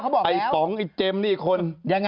ไอ้ป๋องไอ้เจมส์นี่คน